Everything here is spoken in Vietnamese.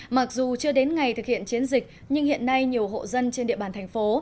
mặc dù chưa đến ngày thực hiện chiến dịch nhưng hiện nay nhiều hộ dân trên địa bàn thành phố